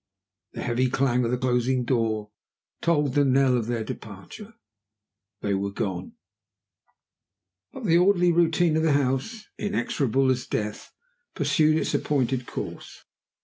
The heavy clang of the closing door tolled the knell of their departure. They were gone. But the orderly routine of the house inexorable as death pursued its appointed course.